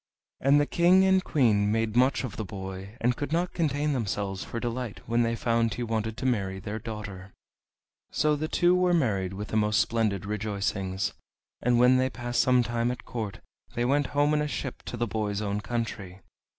And the King and Queen made much of the boy, and could not contain themselves for delight when they found he wanted to marry their daughter. So the two were married with the most splendid rejoicings, and when they had passed some time at court they went home in a ship to the boy's own country.